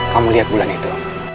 kamu lihat bulan itu